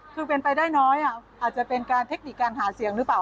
คือเป็นไปได้น้อยอาจจะเป็นการเทคนิคการหาเสียงหรือเปล่า